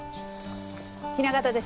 雛形です。